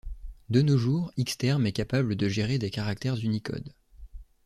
De nos jours, xterm est capable de gérer des caractères unicode.